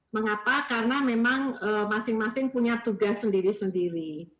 mengapa karena memang masing masing punya tugas sendiri sendiri